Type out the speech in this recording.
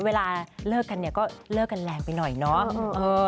เวลาเลิกกันเนี่ยก็เลิกกันแรงไปหน่อยเนาะ